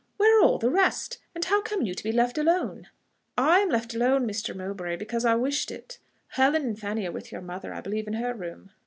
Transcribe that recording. Where are all the rest? and how come you to be left alone?" "I am left alone, Mr. Mowbray ... because I wished it. Helen and Fanny are with your mother, I believe, in her room."